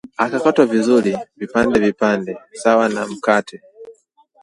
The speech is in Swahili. ukakatwa vizuri vipandevipande sawa na mkate